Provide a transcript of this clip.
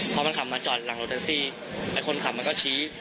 พอมันขับมาจอดหลังรถแท็กซี่ไอ้คนขับมันก็ชี้